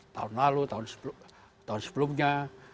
tahun lalu tahun sebelumnya